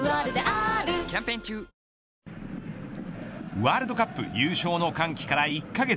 ワールドカップ優勝の歓喜から１カ月。